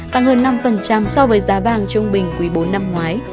tăng hơn năm so với giá vàng trung bình quý bốn năm ngoái